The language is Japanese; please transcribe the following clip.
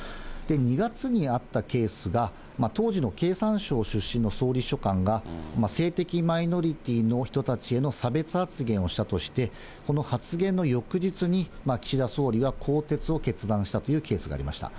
２月にあったケースが、当時の経産省出身の総理秘書官が、性的マイノリティーの人たちへの差別発言をしたとして、この発言の翌日に岸田総理は更迭を決断したというケースがありました。